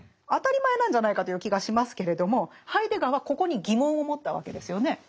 当たり前なんじゃないかという気がしますけれどもハイデガーはここに疑問を持ったわけですよね。